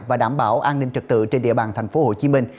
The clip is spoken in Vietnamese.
và đảm bảo an ninh trật tự trên địa bàn tp hcm